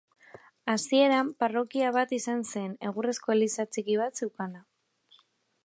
Hasieran parrokia bat izan zen, egurrezko eliza txiki bat zeukana.